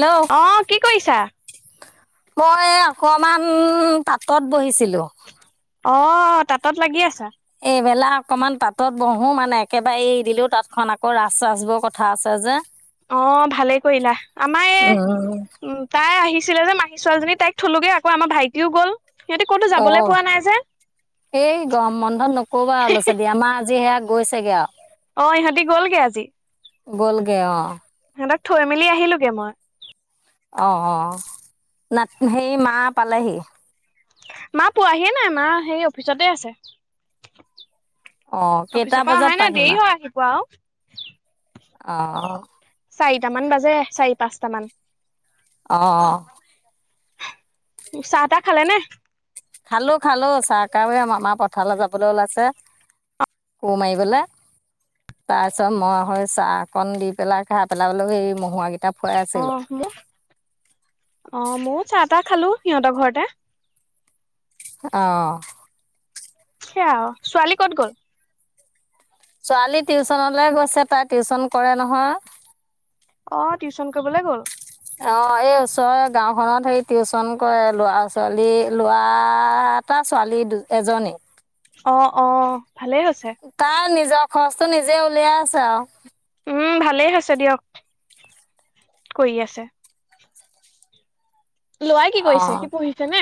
Hello অ' কি কৰিছা? মই আকৌ আমাৰ পাটত বহিছিলোঁ। অ' তাতত লাগি আছা? এইবেলা অকমান তাতত বহো মানে, একেবাৰে এৰি দিলেওঁ তাতখন আকৌ ৰাস চাচবোৰ কথা আছে যে। অ' ভালেই কৰিলা। আমাৰ এই উম উ, তাই আহি ছিলে যে মাহীৰ ছোৱালীজনী তাইক থলোগে আকৌ, আমাৰ ভাইটিও গ'ল। সিহঁতি ক'তো যাবলৈ অ' পোৱা নাই যে এই গম বন্ধত নক'বা ল'ৰা ছোৱালী, আমাৰ আজি সেয়া গৈছেগে আৰু। অ' ইহঁতি গ'লগে আজি? গ'লগে অ'। সিহঁতক থৈ মেলি আহিলোঁগে মই। অ', অ'। নাত্নি, সেই মা পালেহি? মা পোৱাহি নাই, মা সেই অফিচতে আছে। অ কেইটা অফিচৰপা বজাত অহাই নাই, পাহি মা দেৰি হয় আহি পোৱা আৰু। অ'। চাৰিটামান বাজে, চাৰি পাঁচটামান। অ', অ'। চাহ টাহ খালেনে? খালোঁ খালোঁ, চাহকাপ এ, মামা পথাৰলৈ যাবলৈ ওলাইছে। কোৰ মাৰিবলে। তাৰপিছত মই সৈ চাহ অকন দি পেলাই খাই পেলাই এই ম অ' মোক অ' ময়ো চাহ তাহ খালোঁ সিহঁতৰ ঘৰতে। অ'। হেয়া আৰু। ছোৱালী কত গ'ল? ছোৱালী টিউচনলৈ গৈছে, তাই টিউচন কৰে নহয়। অ' টিউচন কৰিবলৈ গ'ল? অ' এই ওচৰৰ গাওখনত হেই টিউচন কৰে, ল'ৰা ছোৱালী এ, লোৱা টা ছোৱালী দু এজনী। অ', অ'। ভালেই হৈছে তাৰ নিজৰ খৰচটো নিজে উলিয়াই আছে আৰু। উম ভালেই হৈছে দিয়ক, কৰি আছে। লৰাই কি কৰিছে? সি অ' পঢ়িছে নে?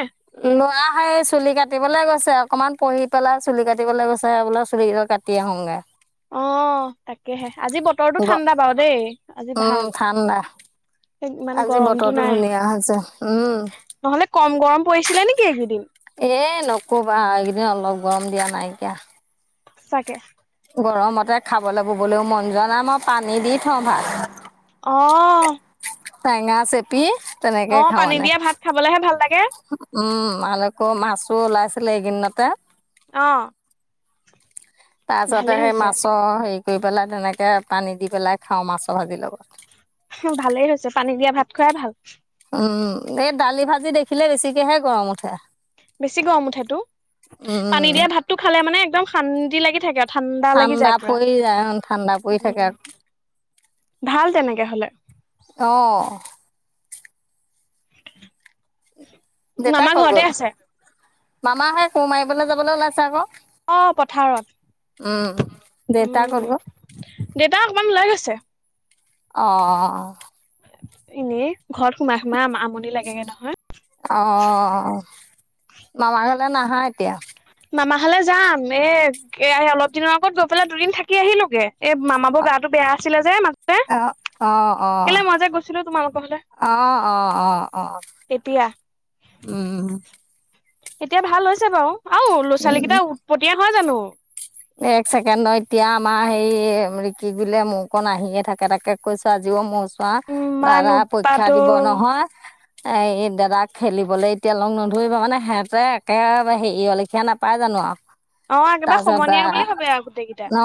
লুৱা এই চুলি কাটিবলে গৈছে, অকনমান পঢ়ি পেলাই চুলি কাটিবলৈ গৈছে বোলে চুলি কেইডাল কাটি আহোঙগে। অ' তাকেহে। আজি বতৰটো গ ঠাণ্ডা বাৰু দেই। আজি উম, ভাল। ঠাণ্ডা। ইমান আজি গৰমটো বতৰটো নাই ধুনীয়া হৈছে। উম। নহ'লে কম গৰম পৰিছিলে নেকি এইকেইদিন। এ নকবা এইকেইদিন অলপ গৰম দিয়া নাই এতিয়া। চাগে। গৰমতে খাবলৈ ববলৈও মন যোৱা নাই, মই পানী দি থওঁ ভাত অ'। টেঙা চেপি তেনেকে অ', খাওঁ পানী মানে। দিয়া ভাত খাবলেহে ভাল লাগে উম, মাল আকৌ মাছো ওলাইছিলে এইকেইদিনতে। অ'। তাৰপিছতে ভালেই সেই হৈছে মাছৰ হেৰি কৰি পেলাই তেনেকে পানী দি পেলাই খাওঁ মাছৰ ভাজিৰ লগত। ভালেই হৈছে পানী দিয়া ভাত খোৱাই ভাল। উম, এই দালি ভাজি দেখিলে বেছিকেহে গৰম উঠে। বেছি গৰম উঠেটু, পানী উম দিয়া ভাতটো খালে মানে একদম শান্তি লাগি থাকে। ঠাণ্ডা লাগি যায় পুৰা, পৰি যায় ঠাণ্ডা পৰি থাকে উম, ভাল তেনেকে হলে। অ দেতাই মামা ক'ত ঘৰতে গল? আছে মামাহে কোৰ মাৰিবলৈ যাবলৈ ওলাইছে আকৌ। অ উম পথাৰত, দেউতা ক'ত উম, গ'ল দেউতা অকণমান ওলাই গৈছে। [inaudible] অ' এনেই ঘৰত সোমাই-সোমাই আম-আম অ' মামাৰ ঘৰলে নাহা এতিয়া? মামা হলে যাম এ এয়া অলপ দিনৰ আগত গৈ পেলাই দুদিন থাকি আহিলোগে। এ মামাৰ বৰ গাটো বেয়া আছিলে মাজতে, অ', অ', অ', কেলে মই যে গৈছিলো তোমালোকৰ ফালে। অ, অ, অ, অ, উম। এতিয়া ভাল হৈছে বাৰু, আউ ল'ৰা ছোৱালী উম। কেইটা উৎপটীয়া হয় জানো। এক ছেকেণ্ড ন এতিয়া আমাৰ হে ৰিকি বোলে মোৰকণ আহিয়ে থাকে তাকে কৈছো আজিও মোৰ ৱা ইমান দাদা উৎপাত পৰীক্ষা দিব নহয়। এ দাদাক খেলিবলৈ এতিয়া লগ নধৰিবা, মানে সিহঁতে একে হেৰি লিখীয়া নাপায় জানো আ অ একেবাৰে সময় যা ন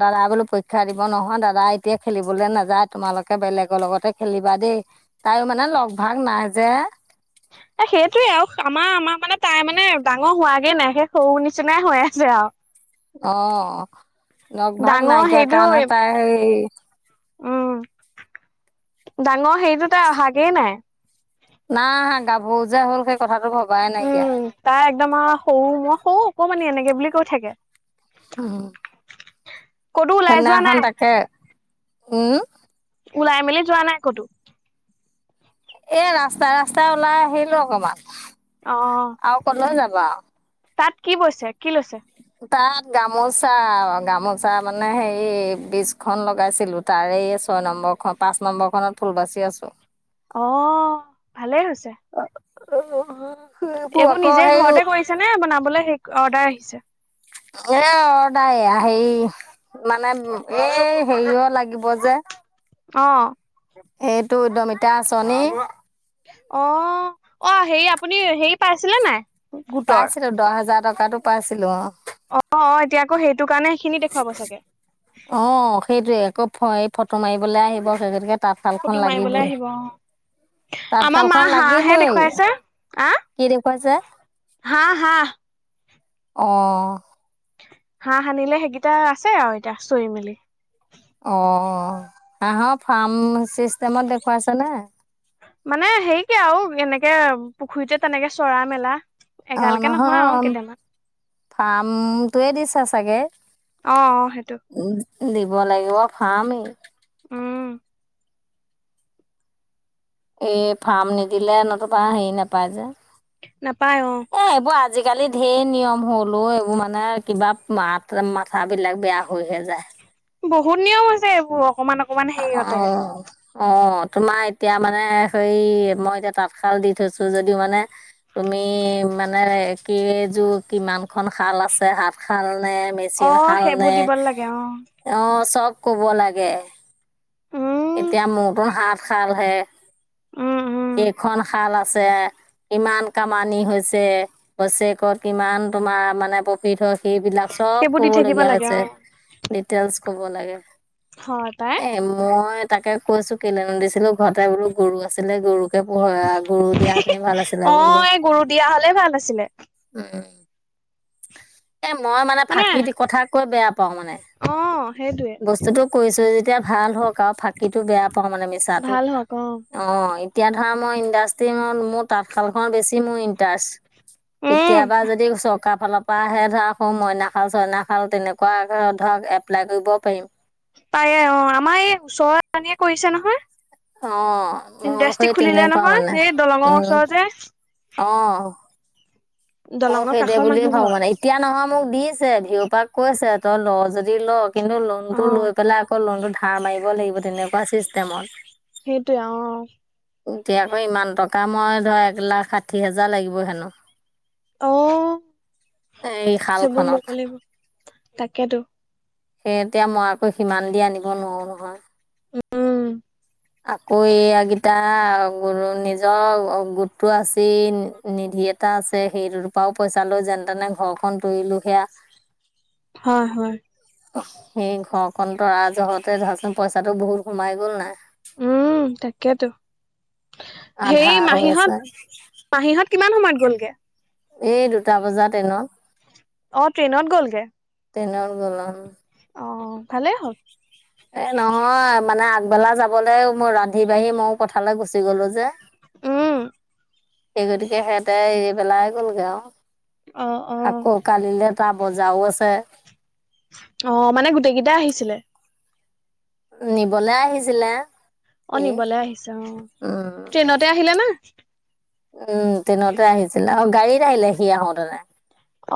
দাদা বোলো পৰীক্ষা দিব নহয় দাদা এতিয়া খেলিবলে নাযায় তোমালোকে বেলেগৰ লগতে খেলিবা দেই, তাই মানে লগ ভাগ নাই যে। [inaudible] সেইটোয়ে আৰু আমাৰ-আমাৰ মানে তাই মানে ডাঙৰ হোৱাগে নাই সেই সৰু নিচিনাই হৈ আছে আৰু। অ', লগ-ভাগ ডাঙৰ নাইকিয়া সেইটো কাৰণে তাই সেই উম। ডাঙৰ হেৰিটোতে অহাগেই নাই। না হা গাভৰুজা হ'ল খ উম, তাই একদম আৰু সৰু মই সৰু অকণমানি এনেকে বুলি কৈ থাকে। উম। ক'তো ওলাই যোৱা সেইদিনাখন নাই তাকে, উম ওলাই মেলি যোৱা নাই ক'তো? এ ৰাস্তাই-ৰাস্তাই ওলাই আহিলো অকমান। অ আৰু কলৈ যাবা? তাত কি বৈছে, কি লৈছে? তাত গামোচা, গামোচা মানে হেৰি বিছখন লগাইছিলো তাৰে আছ ছয় নম্বৰ খ, পাঁচ নম্বৰ খনৰ ফুল বাচি আছো। অ', ভালেই হৈছে। [inaudible] এইবোৰ আকৌ নিজেই সেই ঘৰতে কৰিছে নে বনাবলৈ সেই অৰ্ডাৰ আহিছে? এ অ ডাইয়া হেৰি মানে এই হেৰিও লাগিব যে। আহ। সেইটো উদ্যমীতা আঁচনি অ', অ হে আপুনি হেৰি পাইছিলে নাই? গোটৰ পাইছিলো দহ হেজাৰ টকাতো পাইছিলো অ। অ অ এতিয়া আকৌ সেইটো কাৰণে সেইখিনি দেখুৱাব চাগে অ, সেইটয়ে আকৌ এই ফটো মাৰিবলৈ আহিব সেই গতিকে তাঁতশালখন ফটো মাৰিবলৈ লাগিবই। আহিব অ আমাৰ তাঁতশাল মা খন হাঁহহে লাগিবই, দেখুৱাইছে কি দেখুৱাইছে? হাহ, হাহ অ', হাঁহ আনিলে, সেইকেইটা আছে আৰু এতিয়া চৰি মেলি। অ', হাহৰ ফাৰ্ম চিষ্টেমত দেখুৱাইছ নে? মানে হেৰিকে আৰু, এনেকে পুখুৰীতে তেনেকে চৰা মেলা। অ', এগালকে আৰু নহয় কেইটামান ফাৰ্মটোৱে দিছে চাগে। অ অ সেইটো উ দিব লাগিব ফ্মেই। উম এই ফাৰ্ম নিদিলে নতুবা হেৰি নাপায় যে। নাপায় অ',। এ এইবোৰ আজিকালি ধঢেৰ নিয়ম হলো এইবোৰ মানে কিবা মাত-মাথা বিলাক বেয়া হৈহে যায়। বহুত নিয়ম হৈছে এইবোৰ, অকমান অকমান অ', হেৰিয়তে। অ', তোমাৰ এতিয়া মানে হে মই এতিয়া তাঁতশাল দি থৈছো যদিও মানে তুমি আমি মানে একেইযোৰ কিমান খন খাল আছে হাতশাল অ মে-মেচিন শাল সেইবোৰ নে, দিব লাগে অ অ, চব কব লাগে। উম এতিয়া মোৰটোন হাত শাল হে। উম, উম, কেইখন শাল আছে, কিমান কামানি হৈছে, বছেৰেকত কিমান তোমাৰ মাৰ মানে প্ৰফিট হ'ক সেইবিলাক চব সেইবোৰ দি কব থাকিব লগগীয়া লাগে হৈছে, অ ডিতেইলচ কব লাগে। হয় পায়। এ মই তাকে কৈছো কিনে নিদিছিলো ঘৰতে বোৰ গৰু আছিলে গৰু [unintelligible] আ, গৰু দিয়া ভাল হেতেন এই আছিলে অ [unintelligible] এই গৰু দিয়া হলে ভাল আছিলে উম, উম। এ মই মানে ফাঁকি দি কথা কৈ বেয়া পাওঁ মানে। অ সেইটোৱে বস্তুটো কৰিছোঁ যেতিয়া ভাল হওঁক আৰু, ফাঁকিটো বেয়া পাওঁ মানে মিছাটো। ভাল হওক অ, এতিয়া ধৰা মই ইণ্ডাষ্ট্ৰি মো-মোৰ তাঁতশালখনত বেছি মোৰ ইণ্টাৰেষ্ট। উম কেতিয়াবা যদি চৰকাৰ ফালৰ পৰা আহে ধৰক সৌ মইনা খাল চইনা খাল তেনেকুৱাক ধৰ-ধৰক এপ্লাই কৰিব পাৰিম। পাৰে অ', আমাৰ এই ওচৰ পানীয়ে কৰিছে অঁ নহয়। মোৰ ইণ্ডাষ্ট্ৰি সেই খুলিলে তেনেকুৱা নহয়, এই দলঙৰ ওচৰতে। অহ, অ', দলঙৰ সেইদে কাষৰ বুলিয়ে মানুহ ভাবো ঘৰ মানে, এতিয়া নহয় মোক দিছে ভিয় পা কৈছে তই ল' যদি ল' কিন্তু লোন অ টো লৈ পেলাই আকৌ লোনতটো ধাৰ মাৰিব লাগিব, তেনেকু ৱা চিষ্টেমত। সেইটোৱে অ এতিয়া আকৌ ইমান টকা মই ধৰ এক লাখ ষাঠি হাজাৰ লাগিব হেনো। অ এই শাল সেইবোৰ ল'ব খনত। লাগিব তাকেতো। সেই এতিয়া মই আকৌ সিমান দি আনিব নোৱাৰোঁ নহয়। উম আকৌ এইয়াগিটা [unintelligible] নিজৰ অ'গোটটো আছে নি-নিধি ধি এটা আছে, সেইটোৰ পৰাও পইচা লৈ যেনে তেনে ঘৰখন তৰিলোঁ সেয়া। হয়, হয়। সেই ঘৰখন তৰা জহতে ধৰাচোন পইচাটো বহুত সোমাই গল নাই? উম, তাকেইতো। হেৰী, আধা হৈ আছে মাহীহঁত, মাহীহঁত কিমান সময়ত গ'লগে? এই, দুটা বজা ট্ৰেইনত। অ, ট্ৰেইনত গলগে? ট্ৰেইনত গ'ল অ, ভালেই হ'ল। এ, নহয় মানে আগবেলা যাবলৈ, মোৰ ৰান্ধি বাঢ়ি মইও কথালৈ গুচি গ'লো যে। উম সেই, গতিকে সিহঁতে এৰি বেলাই গ'লগে আৰু। অ', অ, আকৌ কালিলৈ তাৰ বজাৰও আছে। অ', মানে গোটেই কেইটাই আহিছিলে? নিবলে আহিছিলে। অ' সি নিবলে আহিছে অ' ট্ৰেইনতে আহিলে নে? উ ট্ৰেইনতে আহিছিলে আও গাড়ীত আহিলে সি আহোতেনে।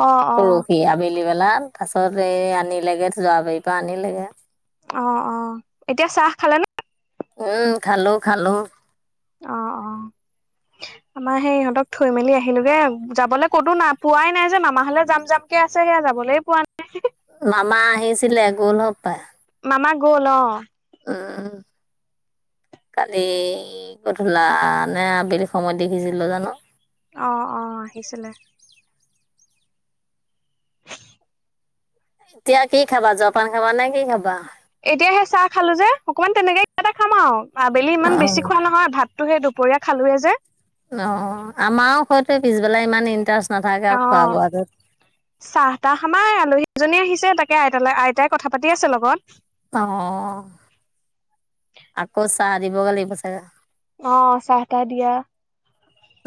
অ অ পৰসি আবেলি বেলা। তাছত এই আনিলেগে, জৱাবাৰীৰ পৰা আনিলেগে। অ' অ' এতিয়া চাহ খালে নে? উ খালোঁ খালোঁ। অ' অ'। আমাৰ হেই ইহঁতক থৈ মেলি আহিলোগে। যাবলৈ কতো নাই, পোৱাই নাই যে মামাহলে যাম যাম কে আছে কেয়া যা যাবলৈ পোৱা নাই। মামা আহিছিলে গ'ল হপাই। মামা গ'ল অ'। উম। কালি গধূলা নে আবেলি সময়ত দেখিছিলোঁ জানো। অ' অ' আহিছিলে। এতিয়া কি খাবা, জপান খাবা নে কি খাবা? এতিয়া সে চাহ খালোঁ যে অকমান তেনেকে কিবা এটা খাম আও আবেলি ইমান বেছি অ', খোৱা নহয় ভাত তো হেই দুপৰীয়া খালোৱে যে। ন আমাও সটোৱে পিছবেলা ইমান ইন্টাৰেষ্ট অ' চাহ তাহ আমাৰ আলহী এজনী আহিছ ছে তাকে আইতালে, আইতাই কথা পাতি আছে লগত। অ', আকৌ চাহ দিবগে লাগিব চাগে। অঁ, চাহ তাহ দিয়া।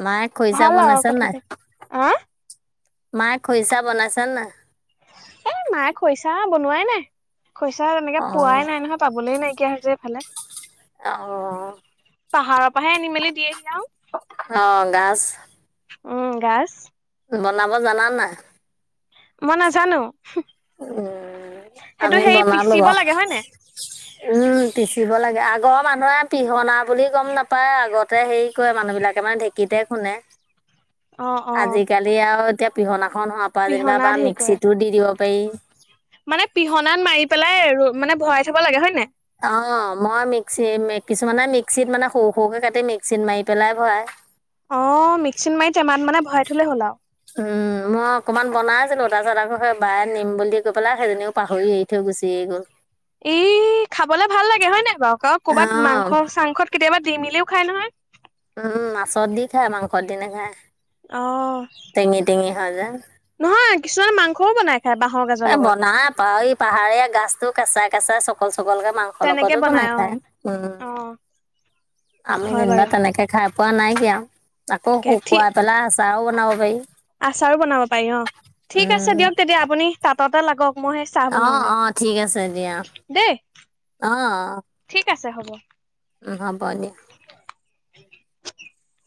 মায়ে খৰিচা ভাল আৰু বনাইছে নে কথা নাই, পাতি আহ মায়ে খৰিচা বনাইছে নাই? এ মায়ে খৰিছা বনোৱাই নাই। খৰিছা তেনেকে অ'। পোৱাই নাই নহয় পাবলৈ নাইকিয়া হৈ হৈছে এইফালে। অঁ। পাহাৰৰ পৰাহে আনি মেলি দিয়েহি আৰু। অ' গাছ- উম, গাজ। বনাব জানা নাই। মই নাজানো সেইটো, আমি সেই বনালোঁ পিচিব বাৰু লাগে হয় নে। উম, [inaudible] পিচিব লাগে আগৰ মানুহে পিহনা বুলি গম নাপায় আগতে হেৰি কৰে মানুহ বিলাকে মানে ঢেঁকীত- [unintelligible] [inaudible] অ আজিকালি আৰু এতিয়া পিহনাখন হোৱাৰ পৰা যেনিবা পিহনা বা ঢেঁকীয়া মিক্সিতো দি দিয়ক মানে পিহনাত মাৰি পেলাই ৰ মানে ভৰাই থব লাগে হয় নাই। অঁ, মই মিক্সি কিছুমানে মিক্সিত মানে সৰু সৰুকে কাটি মিক্সিত মাৰি পেলাই ভৰাই। অ' মিক্সি মাৰি টেমাত মানে ভৰাই থলেই হ'ল আৰু। উমঁ মই অকণমান বনাইছিলো তাৰপিছত আকৌ সেই বাই নিম বুলি কৈ পেলাই সেইজনীও পাহৰি এৰি থৈ গুচি- সেই গ'ল। ই খাবলে ভাল লাগে হয় নাই বাৰু কওঁক, কৰ'বাত অঁ মাংস চাংসত কেতিয়াবা- দি মিলিও খাই নহয়। উম মাছত দি খায়, মাংসত দি নাখায়। অঁ। ভালে। নহয় কিছুমান মাংসও বনাই। খায় বাঁহৰ গাজৰ এ লগত। বনাই পা ই পাহাৰীয়া গাছতো কেঁচাই কেঁচাই চক- [unintelligible] চকলকে মাংসৰ তেনেকে লগতো বনাই অ। খায় উ অ আমি হয় যেনিবা বাৰু তেনেকে খাই পোৱা নাই। আকৌ তাকে ঠিক শুকুৱাই পেলাই আচাৰও বনাব পাৰি। আচাৰো বনাব পাৰি। ঠিক আছে উম দিয়ক তেতিয়া আপুনি তাঁততে লাগক। মই সেই চাহ অ বনাওগে অ ঠিক আছে দিয়া দেই। অ ঠিক আছে। ছে হ'ব। হ'ব দিয়া। [inaudible]